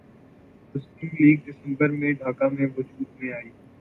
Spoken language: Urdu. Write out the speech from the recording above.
مسلم لیگ دسمبر میں ڈھاکہ میں وجود میں آئی